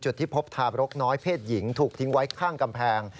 ที่พบทาบรกน้อยเพศหญิงถูกทิ้งไว้ข้างกำแพง